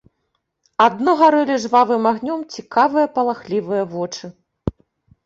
Адно гарэлі жвавым агнём цікавыя палахлівыя вочы.